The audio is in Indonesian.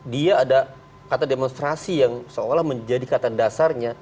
dia ada kata demonstrasi yang seolah menjadi kata dasarnya